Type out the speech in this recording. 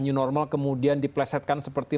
new normal kemudian diplesetkan seperti